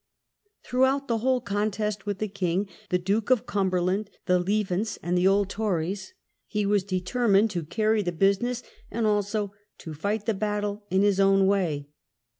Throughout the whole contest with the King, the Duke of Cumberland, the Lievens, and the old Tories, he was determined to carry the business, and also " to fight the battle in his own way."